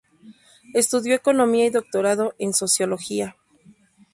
Estudió economía y doctorado en Sociología.